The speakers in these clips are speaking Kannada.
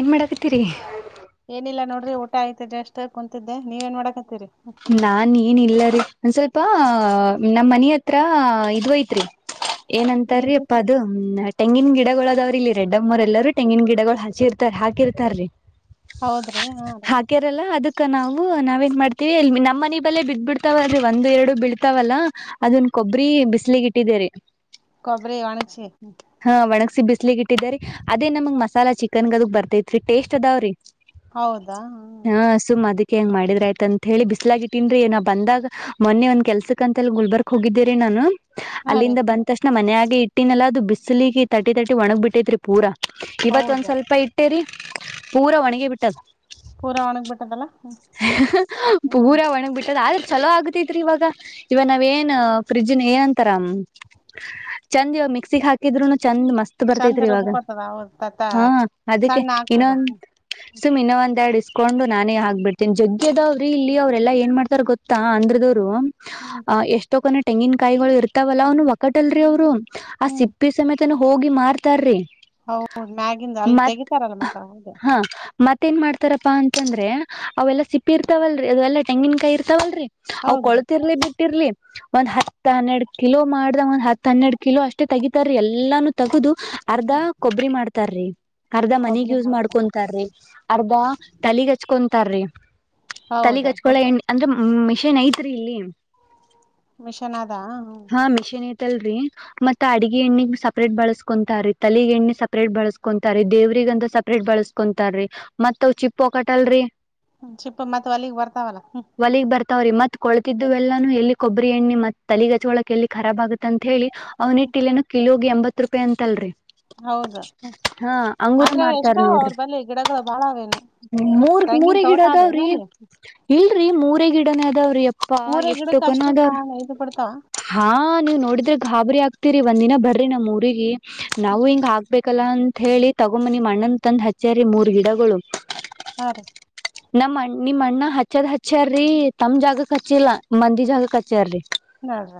ಏನ್ ಮಾಡಕತೀರಿ ಏನಿಲ್ಲ ಊಟ ಆಯ್ತ್ ಜಸ್ಟ್ ಕುಂತಿದ್ದೆ ನೀವ್ ಎನ್ ಮಾಡಕತ್ತೀರಿ ನಾನ್ ಏನ್ ಇಲ್ಲರಿೀ ಒಂದ್ ಸ್ವಲ್ಪ ನಮ್ ಮನಿ ಹತ್ರ ಇದು ಐತ್ರಿ ಏನ್ರಿ ಏನಂತಾರೀಪ್ಪ ಅದು. ತೆಂಗಿನ ಗಿಡಗಳದಾವ್ರ ಇಲ್ಲಿ ರೆಡ್ಡ ಮ್ಮರ ಎಲ್ಲರೂ ತೆಂಗಿನ ಗಿಡಗಳು ಹಚ್ಚಿರ್ತಾರ ಹಾಕಿರ್ತಾರ್ರೀ. ಹೌದ್ರಿ ಹ್ಹೂ. ಅದಕ್ಕ ನಾವು ನಾವೇನ್ ಮಾಡ್ತ ನಮ್ಮ ಮನ ಬಲ್ಲೇ ಬಿಟ್ ಬಿಡ್ತಾವ ಅದೆ ಒಂದು ಎರಡು ಬಿಳ್ತಾವಲ್ಲ ಅದನ್ ಕೊಬ್ರಿ ಬಿಸ್ಲಿಗೆ ಇಟ್ಟಿದೆರಿ. ಕೊಬ್ಬರಿ ಒಣಗಿಸಿ. ಹಾ ಒಣಗ್ಸಿ ಬಿಸ್ಲಿಗ ಇಟ್ಟಿದರಿ ಅದೇ ನಮಗ್ ಮಸಾಲ ಚಿಕನ್ಗ ಅದಕ್ ಬರ್ತೇತ್ರಿ ಟೇಸ್ಟ್ ಅದಾವ್ರೀ. ಹೌದಾ ಹ್ಹೂ. ಅದಕ್ಕೆ ಹೆಂಗ್ ಮಾಡಿದ್ರ ಆಯ್ತ ಅಂತ ಹೇಳಿ ಬಿಸ್ಲಾಗಿ ಇಟ್ಟೀನ್ರಿ ನಾವ ಬಂದಾಗ ಮೊನ್ನೆ ಒಂದ್ ಕೆಲ್ಸಕ್ ಅಂತ ಗುಲ್ಬರ್ಕ್ ಹೋಗಿದ್ದೀರಿ ನಾನು. ಹಾ ರೀ ಅಲ್ಲಿಂದ ಬಂದ ತಕ್ಷಣ ಮಾನ್ಯಗೆ ಇಟ್ಟ ಇಟ್ಟಿನೆಲ್ಲ ಅದು ಬಿಸ ಸಿಲಿಗೆ ಥರ್ಟಿ ಥರ್ಟಿ ಒಣಗ್ ಬಿಟ್ಟೈತೆ ರೀ ಪೂರ ಇವತ್ ಹೌದ ಒಂದ್ ಸ್ವಲ್ಪ ಇಟ್ಟೇರಿ ಪೂರ ವಣಿಗೆ ಬಿಟ್ಟದ. ಪೂರಾ ಒಣಗ ಬಿಟ್ಟದಲ್ಲಾ. ಪೂರಾ ಒಣಗ್ ಬಿಟ್ಟದ ಆ ಚಲೋ ಆಗತತ್ರಿ ಇವಾಗ ಇವಾಗ ನಾವ ಏನ್ ಫ್ರಿಜ್ ಏನ್ ಅಂತಾರ ಚಂದ್ ಇವ ಮಿಕ್ಸಿ ಹಾಕಿದ್ರುನು ಚಂದ್ ಮತ್ ಅ ಚಂದ ಬರ್ತೈತ್ರಿ ಇವಾಗ ರುಬ್ಕೊತದ ಹೌದ ತ ಹಾ ಅದಕ್ಕೆ ಸಣ್ಣ ಆಗ್ತದ ಇನ್ನೊಂದು ಹ್ಮ್ ಸುಮ ಇನ್ನ ಒಂದ ಎರಡ್ ಇಸಕೊಂಡು ನಾನೇ ಹಾಕ್ಬಿಟ್ಟ ಜಗ್ಯ ಅದವ್ರಿ ಇಲ್ಲಿ ಅವ್ರ ಎಲ್ಲಾ ಏನ್ ಮಾಡ್ತಾರ ಗೊತ್ತ ಆಂದ್ರ ದವ್ರು. ಹ್ಮ್ ಅ ಎಷ್ಟೋ ಕನಿ. ತೆಂಗಿನಕಾಯಿಗಳು ಇರ್ತಾವಲ್ಲ ಅವ್ನು ಒಕ್ಕಟಲ್ರರಿ ಅವ್ರು. ಆ ಸಿಪ್ಪೆ ಸಮೇತನು. ಹೋಗಿ ಮಾರ್ತಾರ್ರೀ. ಹೌದು ಮ್ಯಾಗಿಂದ ಅಲ್ಲಿ ತೆಗಿತಾರಲ್ಲ ಮತ್ತ ಅದೇ. ಹತಾರಪ್ಪಾ ಅಂತಂದ್ರೆ. ಅವೆಲ್ಲ ಸಿಪ್ಪಿ ಇರ್ತವಲ್ರಿ ಅವೆಲ್ಲ ತೆಂಗಿನಕಾಯಿ ಇರ್ತವಲ್ರಿ. ಅವು ಹೌದ್ರಿ ಕೊಳತಿರ್ಲಿ ಬಿಟ್ಟಿರ್ಲಿ. ಒಂದ್ ಹತ್ ಹನ್ನೆರಡ್ ಕಿಲೋ ಮಾಡ್ದ ಒಂದ್ ಹತ್ ಹನ್ನೆರಡ್ ಕಿಲೋ ಅಷ್ಟೇ ತಗೀತಾರ ಎಲ್ಲಾನು ತಗದು. ಅರ್ಧ ಹ್ಮ್ ಕೊಬ್ಬರಿ ಮಾಡ್ತಾರ್ರಿ. ಅರ್ಧ ಮನಿಗಿ ಕೊಬ್ಬರಿ ಯೂಸ್ ಮಾಡ್ತಾರ ಮಾಡ್ಕೊಂತಾರ್ರಿ ಅರ್ಧ ತಲೆಗ್ ಹಚ್ಕೊಂತಾರ್ರಿ ಹೌದ ಹ್ಮ್ ತಲೆಗಚ್ಕೊಳೊ ಎಣ್ಣೆ ಅಂದ್ರೆ ಹ್ಮ್ ಮಿಷನ್ ಐತ್ರಿ ಇಲ್ಲಿ. ಮಿಷನ್ ಆದ ಹ್ಹ್. ತ್ತಲ್ರರಿ ಮತ್ ಅಡ್ಗೆ ಎಣ್ಣಿಗ್ ಸಪ್ರೇಟ್ ಬಳಸ್ಕೊಂತಾರೀ ತಲಗ ಎಣ್ಣಿ ಸಪ್ರೇಟ್ ಬಳಸ್ಕೊಂತಾರೀ ದೇವ್ರಗ್ ಅಂತ ಸಪ್ರೇಟ್ ಬಳಸ್ಕೊಂತಾರೀ ಮತ್ ಅವ್ ಚಿಪ್ಪ ಒಕಟಲ್ರರಿ. ಹ್ಮ ಚಿಪ್ಪ ಮತ್ತ ಓಲೀಗ್ ಬರ್ತಾವಲ್ಲ ಹ್ಮ್. ಾವ್ರರಿ ಮತ್ ಕೊಳತಿದ್ದ್ ಎಲ್ಲಾನು ಎಲ್ಲಿ ಕೊಬ್ಬರಿ ಎಣ್ಣೆ ಮತ್ ತಲಿ ಗಜಚ್ಗಳಕ್ ಎಲ್ಲಿ ರಾಬ್ ಆಗುತ್ತ ಅಂತ ಹೇಳಿ ಅವನಟಿಲ ನ ಕಿಲೋ ಎಂಬತ್ ರೂಪಾಯಿ ಅಂತಲ್ರರಿ ಹೌದ ಅಂದ್ರೆ ಮಾರ್ತಾರ್ ಎಷ್ಟಾವ ಅವ್ರ ನೋಡ್ರಿ ಬಳಿ ಗಿಡಗಳು ಬಾಳ ಅವಾವೇನು ತೆಂಗಿನ ತೋಟ ಆದ ಕ ನೀ [unintelligible] ಇಲ್ರರಿ ಮೂರೇ ಗಿಡನ ಅದಾವ್ರೀ ಅಪ್ಪಾ ಮೂರೇ ಎಷ್ಟ ಗಿಡಕ್ ಕನ ಅಷ್ಟ ಅದವ್ರ ಇದು ಬಿಡ್ತಾವ ಹಾ ನೀವ್ ನೋಡಿದ್ರೆ ಗಾಬರಿ ಆಗ್ತ ಇತೀರಿ ಒಂದ್ಿನ ಬ್ರಿ ನಮ್ಮ್ ಊರಿಗೆ ನಾವು ಹಿಂಗ ಹಾಕ್ಬೇಕ ಹಲ್ಲಾ ಅಂತತ್ ಹೇಳಿ ತಗೊ ಮನಿ ಮಣ್ಣನ್ ತಂದ್ ಹಚ್ಚ್ಯಾರಿ ಮೂರ್ ಗಿಡಗಳು ಹಾ ರೀ ನಮ್ಣ ನಿಮ್ ಅಣ್ಣ ಹಚ್ಚದ್ ಹಚ್ಚ್ಯಾರೀ ತಮ ಜಾಗಕ್ ಹಚ್ಚಿಲ್ಲ ಮಂದಿ ಜಾಗಕ್ ಹಚ್ಚ್ಯಾರೀ ನಾಲ್್ರ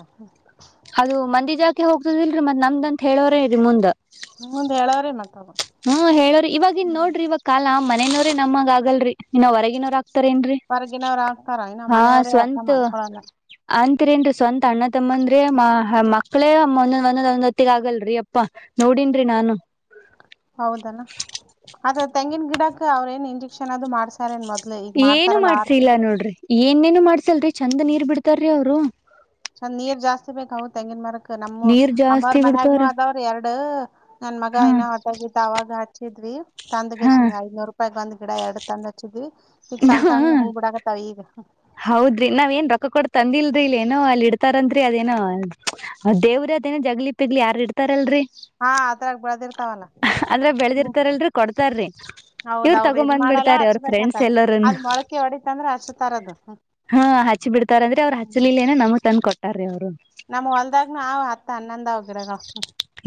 ಹೋಗತದ ಇಲ್ರಿ ಮತ್ ನಮ್ದ ಅಂತ ಹೇಳೋರೇ ಮುಂಡ ಹ್ಮ್ ಹೇಳವ್ರೆ ಮತ್ತ ಅವ ಹ್ಮ ಹೇಳವ್ರಿ ಇವವಾಗಿ ಇನ್ ಹ್ಮ್ ನೋಡ್ರಿ ಇವಾಗ ಕಾಲ ಮನೇನವ್ರೀ ನಮ್ಮಗ್ ಆಗಲ್ರಿ ಇನ್ನ ಹೊರಗಿನವರ ಹತರೇನ್ರಿ ಹೊರಗಿನವ್ರ ಹಾಕ್ತಾರ ಇನ್ನ ಹಾ ಮನೆಯವ್ರೇ ಅರ್ಥ ಸ್ವಂತ ಮಾಡ್ಕೊಳಲ್ಲ ಅಂತರೇನ್ೀ ಸ್ವಂತ ಮಕ್ಳೇ ಒಂದೊಂದ ಒಂದೊಂದ್ ಒಂದ್ೊತ್ತಿಗೆ ಆಗಲ್ರರಿ ಅಪ್ಪಾ ನೋಡನ್ರಿ ನಾನು ಹೌದಲ್ಲ ಅದ ತೆಂಗಿನ ಗಿಡಕ್ ಅವ್ರ ಏನ್ ಇಂಜೆಕ್ಷನ್ ಅದು ಮಾಡ್ಸಾರ ಏನ್ ಮೊದ ಏನು ಮಾಡ್ಸ ಇಲ್ಲ ನೋಡ್ರಿ ಏನೇನು ಮಾಡ್ಸಲ್ರಿ ಚಂದ ನೀರ್ ಬಿಡ್ತಾರಿ ಅವರು ಚಂದ ನೀರ್ ಜಾಸ್ತಿ ಬೇಕವು ತೆಂಗಿನ ಮಾರಕ್ ನಮ್ಮ ನೀರ್ ಅಮ್ಮ್ರ ಜಾಸ್ತಿ ಮನ್ಯಾಗನ ಬಿಡ್ತಾರ ಆದವ್ರು ಎರಡು ನಡು [unintelligible] ನನ್ ಮಗ ಹಾ ನ ಹೊಟಗತ್ತು ಆವಾಗ ಹಚ್ಚ ಿದ್ರಿ ಹಾ ತಂದಗೇಶ್ ಐನೂರು ರೂಪಾಯ್ ಬಂದ ಈಡ ಎಡ್ತ ಅಂದಚದು ಈಗ ಸಣ್ಣ ಸಣ್ಣ ಹೂ ಬಿಡಕತ್ತಾವ ಹೌದ್ರಿ ನಾವ್ ಏನ್ ರೊಕ್ಕ ಕೊಡ ತಂದಿಲ್ರರಿ ಇಲ್ ಏನೋ ಅಲ್ಲಿ ಇಡ್ತಾರನ್ರರಿ ಅದೇನೋ ದೇವ್ರ ಅದೇನೋ ಜಗ್ಲಿ ಪಿಗ್ಲಿ ಯಾರ್ ಇಡ್ತಾರಲ್ರರಿ ಹಾ ಅದ್ರಗ್ ಬೆಳದಿರ್ತಾವಲ್ಲ ಅಂದ್ರೆ ಹ್ಮ್ ಬೆಳೆದಿರ್ತಾರಲ್ರರಿ ಕೊಡ್ತಾರ್ರಿ ಹೌದ ಇವ್ರ ಅವ್ರ ತಗೊ ಇದ ಬಂದ್ ಮಾಡಲ್ಲ ಬಿಡ್ತಾರಿ ಅವ್ರ ಹಚ್ಬೇಕಂತ ಫ್ರೆಂಡ್ಸ್ ಎಲ್ಲರನು ಅದ್ ಮೊಳಕೆ ಹೊಡಿತ ಅಂದ್ರೆ ಹಚ್ತಾರದು ಹಾ ಹಚ್ಚಿ ಬಿಡ್ತಾರ ಅಂದ್ರೆ ಅವ್ರು ಹಚ್ಚಲಿಲ್ಲ ನ ನಮ ತಂದನ್ ಕೊಟ್ಟ ಅ್ರರಿ ಅವರು ನಮ್ ಹೊಲ್ದಾಗ ನ್ ಅತ್ತ ಅನ್ನಂದಾವ ಗಿಡಗಳು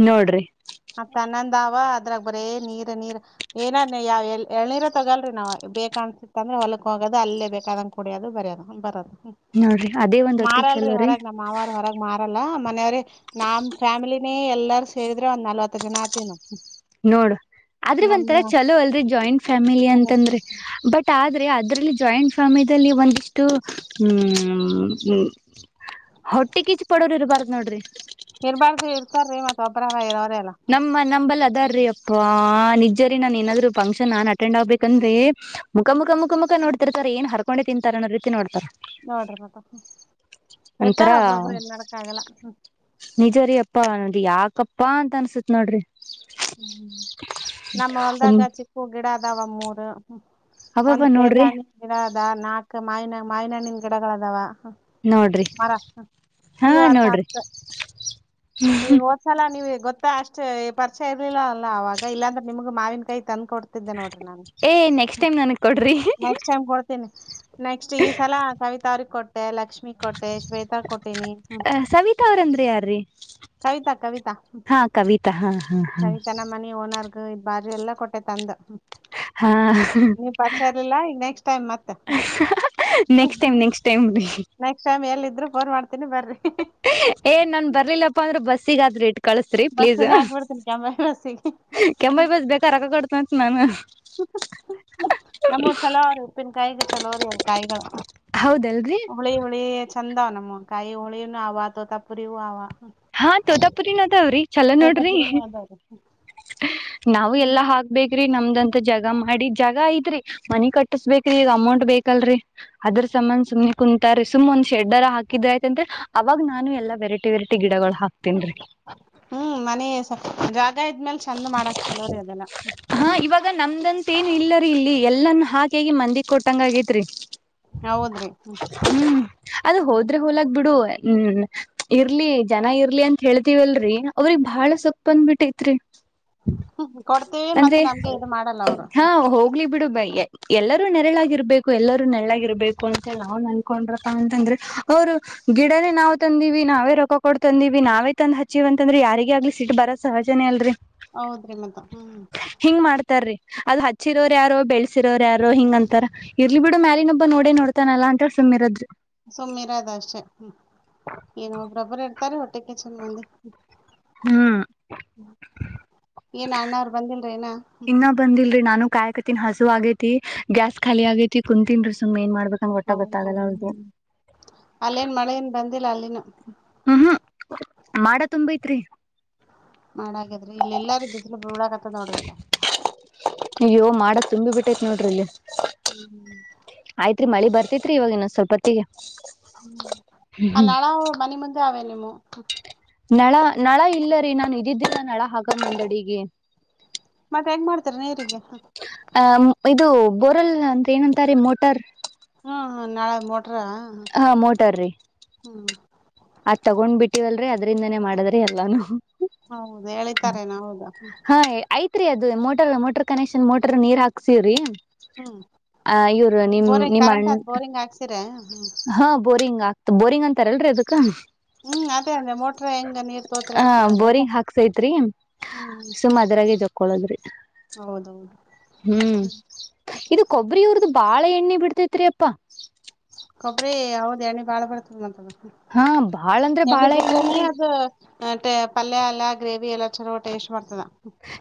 ನೋಡ್ರಿ ಮ ತನ್ನಂದಾವ ಅ. [inaudible] ಅದ್ರಾಗ ಬರೇ ನೀರ್ ನೀರ್ ಏನ ಯಾವ ಎಳೀರ ತೊಗಲ್ರಿ ನಾವು ಬೇಕ ಅನ್ಸಿತ್ತ ಅಂದ್ರೆ ಹೊಲಕ್ ಹೋಗೋದು ಅಲ್ಲೇ ಬೇಕಾದಂಗ ಕುಡಿಯೋದು ಬರದು ಬರೋದು. ನೋಡ್ರಿ ಅದೇ ಒಂದ್ ಹೊತ್ತಿಗ ಮಾರಲ್ರಿ ಚೊಲೋ ರೀ. ಹೊರಗ್ ನಮ್ ಮಾವಾರ ಹೊರಗ್ ಮಾರಲ್ಲ ಮನೆಯವ್ರೇ ನಮ್ ಫ್ಯಾಮಿಲಿನೇ ಎಲ್ಲಾರ ಸೇರಿದ್ರೆ ಒಂದ್ ನಲ್ವತ್ತು ಜನ ಆತಿವನ. ನೋಡ ಆದ್ರೆ ಒಂಥರ ಚಲೋ ಅಲ್ರಿ ಜಾಯಿಂಟ್ ಫ್ಯಾಮಿಲಿ ಅಂತಂದ್ರ ಬಟ್ ಆದ. ಅದ್ರಲ್ಲಿ ಜಾಯಿಂಟ್ ಫ್ಯಾಮಿಲಿಲ್ಲಿ ಒಂದಿಷ್ಟು ಹ್ಮ್ ಹೊಟ್ಟೆಗೀಚ ಪಡೋರು ಇರಬಾರ್ದ್ ನೋಡ್ರಿ. ಇರಬಾರ್ದು ಇರ್ತಾರ್ರೀ ಮತ್ತ ಒಬರಾರ ಇರಾ. ನಮ್ಮ ನಂಬಲ್ಲದ. ರಿ ಅಪ್ಪ. ಹ ನಿಜರಿ ನಾನೇನಾದ್ರೂ. ಫಂಕ್ಷನ್ನನ್ ಅಟೆಂಡ್ ಆಗ್ಬೇಕಂದ್ರೆ ಮುಖ ಮುಖ ಮುಖ ಮುಖ ನೋಡ್ತಿರ್ತಾರೆ ಏನ್ ಹರ್ಕೊಂಡೆ ತಿಂತಾರೆ ಅನ್ನೋ ರೀತಿ ನೋಡ್ತಾರ ನೋಡ್ರಿ ಮತ ಇರ್ತಾರ ಒಂಥರಾ ಒಬ್ರೊಬ್ಬರ ಎನ್ಮಡಕ್ ಆಗಲ್ಲ ಹ್ಮ ಹ್ಮ. ಪಾ ತನಸ. ಸತ್ ನೋಡ್ರಿ. ಹ್ಮ್ ನಮ್ಮ ಹೊಲ್ದಾಗ ಚಿಕ್ಕು ಗಿಡ ಅದಾವ ಮೂರ್. ಹ್ಮ ಅವಬ್ಬ ಒಂದು ಪೇರ್ಲ ನೋಡ್ರಿ ಹಣ್ಣಿನ ಗಿಡ. ಅದ ನಾಕ್ ಮಾವಿನ ಮಾಯನ್ಣನ್ ಗಿಡಗಳದಾವ. ಹ ನೋಡ್ರಿ ಮರ ಹಾ ಇವತ್ತ ನೋಡ್ರಿ ಹತ್ತ ಈಗ ಹೋದ್ಸಲ ನೀವ. ಗೊತ್ತಾ ಅಷ್ಟ. ಚ ಇರ್ಲಿಲ್ಲ ಅಲ್ಲ ಅವವಾಗ ಇಲ್ಲಾಂದ್ರ ನಿಮ್ಗ್ ಮಾವಿನ ಕಾಯಿ. ತಂದ ಕೊಡ್ತಿದ್ದೆ ನೋಡ್ರಿ ನಾನು. ಏ ನೆಕ್ಸ್ಟ್ ಟೈಮ್ ನನಗ್ ಕೊಡ್ರಿ ನೆಕ್ಸ್ಟ್ ಟೈಮ್ ಕೊಡ್ತೀನಿ. ನೆಕ್ಸ್ಟ್ ಈ ಸಲ ಕವಿತಾರೀ ಕೊಟ್ಟು. ತೆ ಲಕ್ಷ. ಲ್ಮ ಕೊಟ್ಟೆ ಶ್ವೇತಾ ಕೊಟ್ಟೆನಿ ಹ್ಮ್ ಸವಿತಾ ಅವ್ರಂದ್ರಿ ಯಾರ್ರೀ ಕವಿತಾ ಕವಿತಾ ಹಾ ಕವಿತಾ ಹಾ ಹಾ ಕವಿತಾ ನ ಮನಿ ಓನರ್. ಈ ಬಾಜು ಎಲ್ಲಾ ಕೊಟ್ಟೆ ತಂದ. ಹಾಾ. ಸರಿಲ್ಲ ಈಗ ನೆಕ್ಸ್ಟ್ ಟೈಮ್ ಮತ್ತ ಹ್ಞ next time next next time ಎಲ್ಲಿದ್ರು. ಬ ಮಾಡ. [inaudible] ಏನ್ ನನ್ ಬರ್ಲಿಲ್ಲಪ್ಪಾ ಅಂದ್ರು ಬಸ್. ಸಿಗ ಆದ್ರ ಇಡ್ರಿ. ಕಲ್ಸರಿ ಪ್ಲೀಸ್ ಬಸ್ಸಿಗೆ ಹಾಕ್ಬಿಡ್ತನ್ ಕೆಂಬಾವಿ ಬಸ್ಸಿಗೆ ಕೆಂಪಯ್ಯ ಬಸ್ ಬೇಕಾ ರಕ್ಕಕೋಡ್. ಸತ್ ನಾನ. ನಮ್ಮ ಚಲೋರಿ ಉಪ್ಪಿನಕಾಯಿಗೆ ಚಲೋರಿ ಅವ್ರ ಕಾಯಿಗಳು ಹೌದಲ್ರರಿ ಹುಳಿ ಹುಳಿ ಚಂದವ್ ನಮ್ ಕಾಯಿ ಹೊಳಿಯನ ಅವ ತೋತ ಪುರಿವು ಅವ. ಹಾ ತೋತಾಪುರಿನು ಅದಾವ್ರಿ. ಚಲೋ ನೋಡ್ರಿ ತೋತಾಪುರಿನೂ ಅದಾವ್ರಿ. ನಾವು ಎಲ್ಲಾ ಹಾಕ್ಬೇಕ್ರಿ ನಮ್ದಂತ ಜಗ ಮಾಡ್ ಜಗ ಇದ್ರೀ ಮನಿ ಕಟ್ಟಿಸ್ಬೇಕ್ರಿ ಈಗ ಅಮೌಂಟ್ ಬೇಕಲ್ರಿ. ಅದ್ರ ಸಮನ್ ಸುಮ್ಮನೆ ಕುನ್ ತರಿ ಸುಮ್ ಒಂದ್ ಶೆಡ್ಡರ ಹಾಕಿದ್ರ ಆಯ್ತಂತೆ ಅವಾಗ ನಾನು ಎಲ್ಲ ವೆರೈ ವೆರಟ್ಟಿ ಗಿಡಗಳು ಹಾಕ್ತೀನ್ರೀ. ಆದ್ಮೇಲ್ ಚಂದ ಮಾಡಕ್ ಚೊಲೋ ರಿ ಅದೆಲ್ಲ. ಮೇನು ಇಲ್ಲರೀ ಇಲ್ಲಿ ಎಲ್ಲಾನ್ ಹಾಕಗಿ ಮಂದಿಗ್ ಕೊಟ್ಟಂಗ ಆಗೇತ್ರಿ. ಹೌದ್ರಿ ಹ್ಮ್ ಹ್ಮ್ ಅದು ಹೋದ್ರೆ ಹೋಲಾಗ ಬೀಡು. ಹ್ಮ್ ಇರ್ಲಿ ಜನ ಇರ್ಲಿ ಅಂತ ಹೇಳ್ತಿವಲ್ರಿ ಅವ್ರಿಗ್ ಬಾಳ ಸೊಕ್ ಬಂದ್ಬಿಟ್ಟೈತ್ರಿ. [unintelligible] ಮತ್ತ ಅಂದ್ರೆ ನಮ್ಗೆ ಇದು ಮಾಡಲ್ಲ ಅವ್ರು ಹಾ ಹೋಗ್ಲಿ ಬಿಡು ಬೈ ಎ ಎಲ್ಲರೂ ನೆರಳಾಗಿರ್ಬೇಕು ಎಲ್ಲರೂ ನೆರಳಾಗಿರ್ಬೇಕು ಅಂತೆಳ್ ನಾವು ನನ್ಕೊಂಡ್ರಪ್ಪ ಅಂತಂದ್ರಿ ಅವ್ರು ಗಿಡನೆ ನಾವು ತಂದಿವಿ ನಾವೇ ರೊಕ ಕೊಟ್ಟ್ ತಂದಿವಿ ನಾವೇ ತಂದು ಹಚ್ಚಿವ ಅಂತಂದ್ರೆ ಯಾರಿಗೆ ಆಗ್ಲಿ ಸಿಟ್ ಬರೋದ್ ಸಹಜನೇ ಅಲ್ರಿ. ಹೌದ್ರಿ ಮತ್ತ. ಹ್ಮ್ ಹಿಂಗ್ ಮಾಡ್ತಾರಿ. ಅದು ಹಚ್ಚಿರೋರು ಯಾರೋ ಬೆಳೆಸಿರೋರು ಯಾರೋ ಹಿಂಗ ಅಂತಾರ ಇರ್ಲಿ ಬಿಡು ಮ್ಯಾಲಿನೊಬ್ಬ ನೋಡೇ ನೋಡ್ತಾನಲ್ಲ ಅಂತ ಹೇಳಿ ಸುಮ್ಮಿರೋದ್ರಿ. ಸುಮ್ಮಿರಾದ ಅಷ್ಟೆ ಹ್ಮ ಏನು ಒಬ್ರೊಬ್ಬರು ಇರ್ತಾರೆ ಹೊಟ್ ಮಟ್ಟಕ್ಕೆ ಚಂದ ಮಂದಿ. ಹ್ಮ್ ಏನು ಅಣ್ಣ ಅವ್ರು ಬಂದಿಲ್ ಇನ್ನ ಬಂದಿಲ್ರಿ ನಾನು ಕಾಯಕ ತಿನ್ ಹಸು ಆಗೈತಿ. ಗ್ಯಾಸ್ ಖಾಲಿ ಆಗೈತಿ ಕುಂತಿನ್ರಿ ಸುಮ್ ಎನ್ ಮಾಡ್ ಹೌದ್ಮ ಅಲ್ಲೇನ್ ಮಳೆನ್ ಬಂದಿಲ್ಲ ಅಲ್ಲಿನು, ಹ್ಮ್ ಹ್ಮ್ ಮಾಡ ತುಂಬೈತ್ರಿ. ಮಾಡಗ್ಯಾದ್ರಿ ಇಲ್ಲ ಎಲ್ಲಾರೂ ಬಿಸ್ಲು ಬಳಕತ್ತದ್ ನೋಡ್ರಿ ಇಲ್ಲ. ಯೋ ಮಾಡಕ್ ತುಂಬಿ ಬಿಟ್ಟೈತ್ ನೋಡ್ರಿ ಇಲ್ಲಿ. ಹ್ಮ್ ಹ್ಮ್ ಆಯ್ತ್ರಿ ಮಳಿ ಬರ್ತತ್ರಿ ಇವಾಗ ಇನ್ನೊ ಸ್ವಲ್ಪತ್ತಿಗೆ. ಹ್ಮ ಅಲ್ಲಳಾವು ಮನೆ ಮುಂದೆ ಅವೆ ನಿಮ್ಮ. [unintelligible] ನಳ ನಳ ಇಲ್ಲರೀ ನಾನು ಇದಿದ್ದೀನ ನಳ ಹಾಗಲ್ಲ ಮಂಡಡಿಗೆ. ಮತ್ತೆ ಹೆಂಗ ಮಾಡ್ತಾರೆ ನೀರಿಗೆ. ಆ ಮ್ ಇದು. ಬೋರಲ್ ಅಂದ್ರೆ ಏನಂತಾರೆ ಮೋಟಾರ್. ಹ್ಮ್ ಹ್ಮ ನಾಳೆ ಮೋಟ್ ಟ್ರಾ ಹಾ ಮೋಟಾರ್ ರೀ ಹ್ಮ್ ಅದ್ ತಗೊಂಡ್ ಬಿಟ್ಟಿವಲ್ರರಿ ಅದ್ರಿಂದನೇ ಮಾಡದ್ರಿ ಎಲ್ಲಾನು. ಹೌದು ಹೇಳಿತಾರೇನ ಹೌದಾ. ಹಾ ಐತ್ರಿ ಮೋಟರ್ ಮೋಟರ್ ಕನೆಕ್ಷನ್ ಮೋಟರ್ ನೀರ್ ಹಾಕ್ಸೀವ್ರೀ. ಹ್ಮ್ ಆ ಇವರು ನಿಮ್ ಬೋರಿಂಗ್ ನಿಮ್ಮ ಕರೆಂಟ್ ಅಣ್ ಆದ್ ಬೋರಿಂಗ್ ಹಾಕ್ಸಿರ್ಯಾ? ಹ್ಮ್ ಹಾ ಬೋರಿಂಗ್ ಆಗ್ತ ಬೋರಿಂಗ್ ಅಂತಾರಲ್ರಿ ಅದು ಕ್ಕ. ಹ್ಮ್ ಅದೇ ಅಂದೆ ಮೋಟ್ರ ಹೆಂಗ ನೀರ್ ತೋತ್ರಿ ಆ ಅಂತೆ ನಾ ಅಂದೇ ಬೋರಿಂಗ್ ಹಾಕ್ಸೈತ್ರಿ ಹ್ಮ್ ಕೊಳದ್ರಿ ಹೌದೌದು. ಹ್ಮ್ ಇದು ಕೊಬ್ಬರಿವ್ರ್ದು. ಪಾಳೆ ಎಣ್ಣೆ ಬಿಡ್ತೇತ್ರಿ ಯಪ್ಪಾ. ಕೊಬ್ರರಿ ಹೌದ ಎಣ್ಣಿ ಬಾಳ ಬರ್ತದ ಅಂತಂದು. ಹಾ ಬಾಳ ಅಂದ್ರೆ ಬಾಳ ಎಣ್ಣಿರೀ ಅತೆ ಪಲ್ಯ ಎಲ್ಲ ಗ್ರೇವಿ ಎಲ್ಲಾ ಚಲೋ ಟೇಸ್ಟ್ ಬರ್ತದ.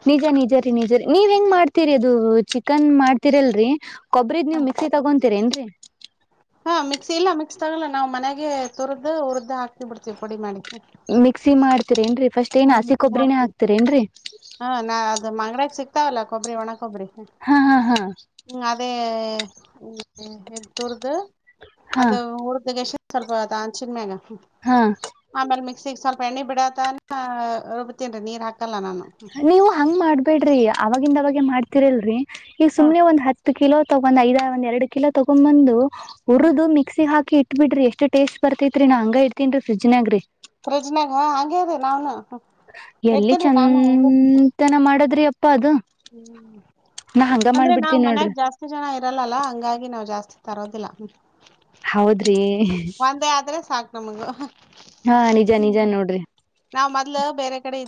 ನಿಜ ನಿಜರೀ ನಿಜರೀ ನೀವ್ ಹೆಂಗ್ ಮಾಡ್ತೀರಿ. ಇದು ಚಿಕನ್ ಮಾಡ್ತಿರಲ್ರಿ. ಕೊಬ್ಬ್ರಿದ್ ಹ ನೀವು ಮಿಕ್ಸಿ ತಗೊಂಡ್. ತಿರೇಂದ್ರಿ. ಹಾ ಮಿಕ್ಸಿ ಇಲ್ಲ ಮಿಕ್ಸ್ ತಗೋಲ್ಲ ನಾವ್ ಮನೆಗೆ ತುರ್ದು ಉರ್ದ್ ಹಾಕ್ತಿವಿ ಹಾಕ್ಕ ಬಿಡ್ತೀವಿ ಪುಡಿ ಮಾಡಿ. ಮಿಕ್ಸಿ ಮಾಡ್ತೀರಿ ಏನ್ರೀ. ಫಸ್ಟ್ ಏನ್ ಹ್ಮ ಮಿಕ್ಸಿಗ್ ಹಸಿಕೊಬ್ಬರಿಣ್ಣೆ ಹಾಕ್ತಿವಿ ಹಾಕ್ತೀರ ಏನ್ರರಿ. ತವಲ್ಲ ಕೊಬ್ರಿ ಒಣ ಕೊಬ್ರಿ. ಹ್ಮ ಹಾ ಹ್ಮ್ ಅದೇ.... ಹ್ಮ ಎ ತೋರ್ದ್ರೆ ಹಾ ಅದು ಊರ್ದ ಗೆಷನ್. ಸ್ವಲ್ಪ [unintelligible] ಹಾ ಅಮೇಲ್ ಮಿಕ್ಸಿ ಸ್ವಲ್ಪ. ಪಣಿ ಬಿಡಾತಾನ್. ಹಾ ರುಬತ್ತೇನೆ ನೀರ್ ಹಾಕ್. ನೀವು ಹಂಗ್ ಮಾಡ್ಬೇಡ್ರಿ ಅವಾಗಿಂದ ಅವಾಗೆ ಮಾಡ್ತಿರಿಲ್ರಿ ಈಗ ಹ್ಮ ಸುಮನೆ ಒಂದು ಹತ್ತು ಹತ್ತು ಕಿಲೋ ತಗೊ್ ಐದ್ ಒಂದ್ ಎರಡ್ ಕಿಲೋ ತೊಗೊಂಬಂದು ಉರದದು ಮಿಕ್ಸಿ ಹಾಕಿ ಇಟ್ಬ ಬಿಡ್ರಿ ಎಷ್ಟು ಟೇಸ್ಟ್ ಬರ್ತೈತ್ರಿ ನಾ ಹಂಗ ಇಡ್ತೀನ್ರಿ ಫ್ರಿಜ್ನಾಗ್ರಿ ಫ್ರಿಜನಾಗ ಹ ಹಂಗೆ ರೀ ನಾವ್ನು ಎಲ್ಲಿ ಇಡ್ತೇನ್ರಿ ನಾನು ಹಂಗೆ ಚಂತನ ಮಾಡದ್ರೆ ಅ ಹ್ಮ್ ಹಂಗ ಅಂದ್ರೆ ನಾವ್ ಮಾಡ್ಬಿಡ್ತೀನಿ ನೋಡ್ರಿ ಮನ್ಯಾಗ ಜಾಸ್ತಿ ಜನ ಇರಲ್ಲಲ್ಲ ಹಂಗಾಗಿ ನಾವ್ ಜಾಸ್ತಿ ತರೋದಿಲ್ಲ ಹೌದ್ರಿ ನಮಗೆ ಹಾ ನಿಜ ನಿಜ ನೋಡ್ರಿ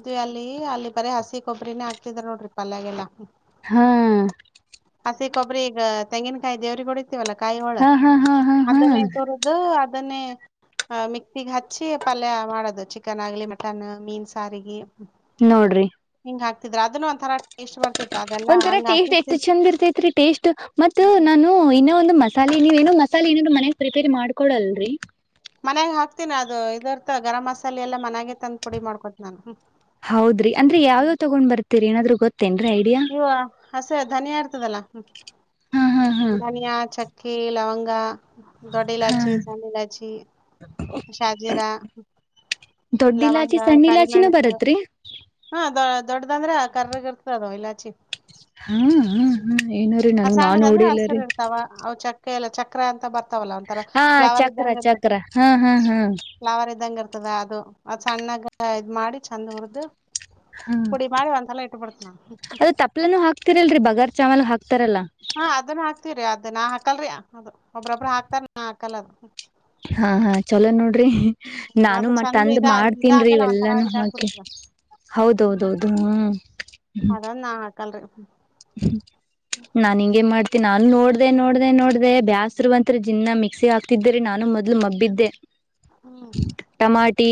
ಇ ಅಲ್ಲಿ ಅಲ್ಲಿ ಬರೀ ಹಸಿ ಕೊಬ್ರಿನೇ ಹಾಕ್ತಿದ್ರ ನೋಡ್ರಿ ಪಲ್ಯಾಗಲ್ಲಾ ಹಾ ಹಸಿ ಕೊಬರಿ ಈಗ ತೆಂಗಿನಕಾಯಿ ದೇವ್ರಿಗ್ ಒಡಿ ವಲ್ಲ ಕಾಯಿ ಹೊಳ ಹಾ ಹಾ ಹಾ ಹಾ ಹಾ ಅದನ್ನೇ ತುರದು ಅದನ್ನೇ ಹ ಮಿಕ್ಸಿಗೆ ಹಚ್ಚಿ ಪಲ್ಯ ಮಾಡೋದು ಚಿಕನ್ ಆಗ್ಲಿ ಮಟನ್ ಮೀನ್ ಸಾರಿಗೆ ನೋಡ್ರಿ ಅಗತಡ್ರಿ ಅದನ್ನು ಒಂಥರ ಟೇಸ್ಟ್ ಬರ್ತಿತ್ತು ಅದೆಲ್ಲಾ ಒಂಥರ ಹಂಗ ಟೇಸ್ಟ್ ಹಸಿ ಎಷ್ಟ ಚಂದ ಇರ್ತೈತ್ರಿ ಟೇಸ್ಟ್ ಮತ್ತ ನಾನು ಇನ್ನೊ ಒಂದು ಮ ಮಸಾಲೆ ನೀವ ಏನೋ ಮಸಾಲೆ ಏನಾದರು ಮನೇಲಿ ಪ್ರಿಪೇರ್ ಮಾಡ್ಕೊಡಲ್ರರಿ ಮನ್ಯಾಗ ಹಾಕ್ತೀನಿ ಅದು ಇದರ್ಥ ಗರಂ ಮಸಾಲೆಲ್ಲಾ ಮನ್ಯಾಗ ತಂದು್ ಪುಡಿ ಮಾಡ್ಕೋದ ನಾು ಹೌದ್ರಿ ಅಂದ್ರೆ ಯಾವ್ ಯಾವ್ ತಗೊಂಡ್ ಬರ್ತೀರಿ ಏನಾದ್ರು ಗೊತ್ತ ತೆನ್ರೀ ಐಡಿಯಾ ಹಸೆ ಧನಿಯಾ ಇರ್ತದಲ್ಲಾ ಹಾ ಹಾ ಹಾ ಧನಿಯಾ ಚಕ್ಕೆ ಲವಂಗ ನ ದೊಡ್ಡ ಇಲಾಚಿ ಸಣ್ಣ ಇಲಾಚಿ ಶಾಜೀರಾ ದೊಡ್ಡ ಲವಂಗ ಇಲಾಚಿ ಸಣ್ಣ ಇಲಾಚಿನೂ ಕರಿಮೆಣಸು ಬರತ್ರಿ ಹಾ ದ ದೊಡ್ಡದ ಅಂದ್ರೆ ಕರ್ರಗ ಇರ್ತದ ಅಲ್ಲ ಛಿ ಹಾ ಹ ಹಾ ಏನ್ರೀ ಆ ನನ ನಾ ಸಣ್ಣದ ಅಂದ್ರ ಹಸಿರ್ ನೋಡಿಿಲ್ಲರಿ ಇರ್ತಾವ ಅವ್ ಚಕ್ಕ ಎಲ್ಲ ಚಕ್ರ ಅಂತ ಬತ ವಲ್ಲ ಒಂಥರ ಫ್ಲವರ್ ಚಕ್ರ ಇದ್ದಂಗ ಇರ್ತದೆ ಚಕ್ರ ಹಾ ಹಾ ಹಾ ಫ್ಲವರ್ ಇದ್ದಂಗ ಇರ್ತದ ಅದು ಅ ಸಣ್ಣಾಗ ಇದ್ ಮಾಡಿ ಚೆಂದ ಹುರ್್ದ ಹಾ ಪುಡಿ ಮಾಡ ಅಂತೆಲ್ಲಾ ಇಟ್ಟ ಬಿಿಡ್ತನ ಅದು ಹಾಕ್ತಿರಲ್ರಿ ಬಗಾರ್ ಚಾಮಲ್ ಹಾಿ ಹಾ ಅದನ್ನು ಹಾಕ ಹರಿ ಅದೇ ನಾ ಹಾಕಲ್ರರಿ ಅದು ಒಬ್ಬ್ರೊಬ್್ರ ಹಾಕ್ತಾರ ನಾ ಹಾಕಲ್ಲ ಅದು ಹಾ ಹಾ ಚಲೋ ನೋಡಿ ್ರೇ ಅದು ನಾನು ಅದು ಚಂದ ಮಂದ ಇದ ಮಾಡ್ತೀನ್ರಿ ಇದಾಗಲ್ಲ ಒಂಥರ ಇವೆಲ್ಲಾನೂ ಹಾಕಿ ಇದಾಗ್ಬಿಡ್ತದ [inaudible] ಹ್ಮ್ ಹೌದೌದೌದು ಹ್ಮ ಕಲ್ರಿ ನಾ ಹಿಂಗಗೆ ಮಾಡ್ತ ನಾನು ನೋಡ್ದೆ ನೋಡ್ದೆ ನೋಡ್ದೆ ಬ್ಯಾಸರುರುವಂ ಜಿನ್ನ ಮಿಕ್ಸಿ ಹಾತಿದ್ದ್ರರಿ ನಾನು ಮೊದ್ಲು ಮಬ್ಬಿದ್ದೆ ಹ್ಮ್ ಟಮಾಟಿ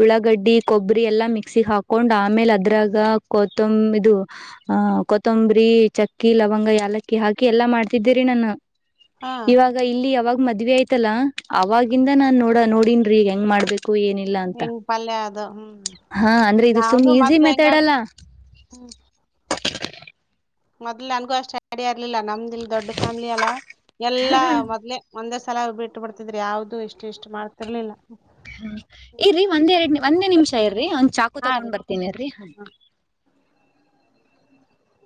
ಉಳ್ಳಾಗಡ್ಡಿ ಕೊಬ್ಬರಿ ಎಲ್ಲಾ ಮಿಕ್ಸಿ ಹಾಕೊಂಡ್ ಆಮೇಲೆ ಅದ್ರಾಗ ಕೊತ್ತಂಬ ಇದು ಆ ತೊಂಬ್ರಿ ಚಕ್ಕಿ ಲವಂಗ ಯಾಲಕ್ಕಿ ಹಾಕಿ ಎಲ್ಲಾ ಮಾಡ್ತಿದ್ದೀರಿ ನಾನು ಹಾ ಇವಾಗ ಇಲ್ಲಿ ಯಾವಾಗ ಮದ್ವಿ ಆಯ್ತಲ್ಲಾ ಅವವಾಗಿಾಗಿಂದ ನಾನ್ ನೋಡ ನೋಡನ್ರೀ ಈಗ ಹೆಂಗ್ ಮಾಡ್ಬೇಕು ಏನಿಲ್ಲ ಅಂತ ಹೆಂಗ್ ಪಲ್ಯ ಅದು ಹ್ಮ್ ಹಾ ಅಂದ್ರೆ ಇದು ಸುಮ್ ನಾವ್ನು ಈಸಿ ಮೊದ್ಲು ಮೆತಡ್ ಹೆಂಗಾಗ್ ಅಲ್ಲ ಹ [inaudible] ಮೊದಲ ನನಗು ಅಷ್ಟ ಅಡ ಇಲ್ಲಿಲ್ಲ ನಮ್ದು ಇಲ್ಲಿ ದೊಡ್ಡ ಫ್ಯಾಮಿಲಿ ಅಲ್ಲಾ ಎಲ್ಲಾ ಮೊದ್ಲೆ ಒಂದೆ ಸಲಾ ಬಿಟ್ಟು ಬಿಡ್ತಿದ್ರಿ ಯಾವ್ದದು ಎಷ್ಟು ಎಷ್ಟು ಮಾಡ್ತಿರ್ಲಿಲ್ಲ ಹ ಇರರಿೀ ಒಂದ್ ಎರಡ್ ನಿ ಒಂದೇ ನಿಮಿಷ ಇರ್ರಿ ಚಾಕು ಹಾ ರೀ ತಗೊಂಡ್ ಬರ್ತೀನಿ ಅಲ್ರಿ ಹ ಹಾ.